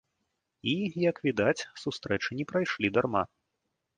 І, як відаць, сустрэчы не прайшлі дарма.